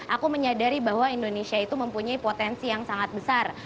aku menyadari bahwa indonesia itu mempunyai potensi yang sangat besar